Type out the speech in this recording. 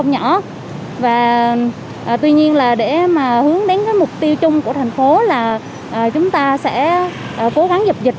tuy nhiên là để mà hướng đến cái mục tiêu chung của thành phố là chúng ta sẽ cố gắng dập dịch